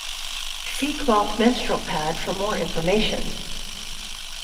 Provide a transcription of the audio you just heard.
See cloth menstrual pad for more information.